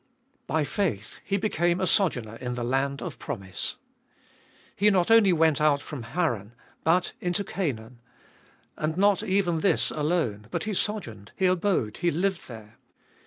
By faith he became a sojourn er in the land of promise. He not only went out from Haran, but into Canaan. And not even this alone, but he sojourned, he abode, he lived there.